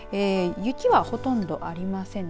雪はほとんどありませんね。